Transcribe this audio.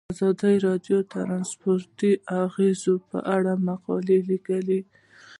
ازادي راډیو د ترانسپورټ د اغیزو په اړه مقالو لیکلي.